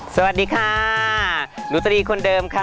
สวัสดีค่ะหนูตรีคนเดิมค่ะ